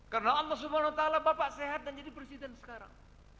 karena allah swt bapak sehat dan jadi presiden sekarang